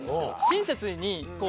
親切に。